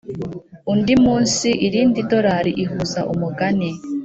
undi munsi, irindi dorari ihuza umugani